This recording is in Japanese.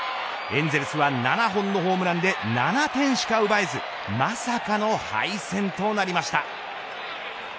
エンゼルスは７本のホームランで７点しか奪えずまさかの敗戦となりました。